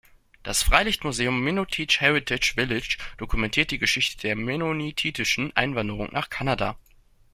Das Freilichtmuseum Mennonite Heritage Village dokumentiert die Geschichte der mennonitischen Einwanderung nach Kanada.